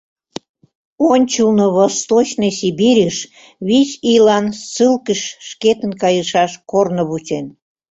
Ончылно Восточный Сибирьыш вич ийлан ссылкыш шкетын кайышаш корно вучен.